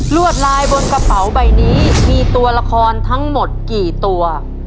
วดลายบนกระเป๋าใบนี้มีตัวละครทั้งหมดกี่ตัว